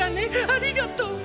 ありがとうっ！